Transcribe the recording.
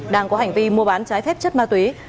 đang có hành vi mua bán trái phép chất ma túy